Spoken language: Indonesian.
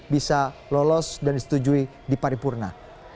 bisa lolos dan disetujui di paripurna